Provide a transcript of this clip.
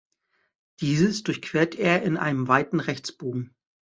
Dieses durchquert er in einem weiten Rechtsbogen.